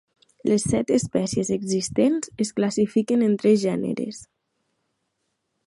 Les set espècies existents es classifiquen en tres gèneres.